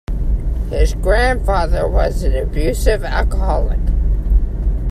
His grandfather was an abusive alcoholic.